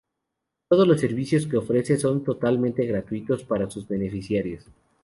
Todos los servicios que ofrece son totalmente gratuitos para sus beneficiarios.